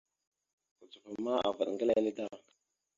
Kucupa ma avaɗ ŋga lele da.